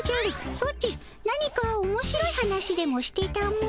ソチ何かおもしろい話でもしてたも。